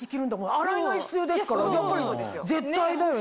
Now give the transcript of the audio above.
洗い替え必要ですからやっぱり絶対だよね